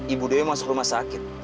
ibu dewi masuk rumah sakit